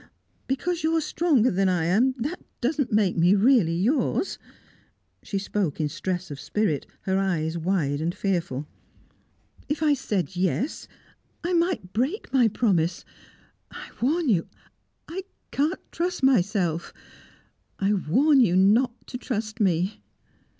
"Because you are stronger than I am, that doesn't make me really yours." She spoke in stress of spirit, her eyes wide and fearful. "If I said 'yes,' I might break my promise. I warn you! I can't trust myself I warn you not to trust me!"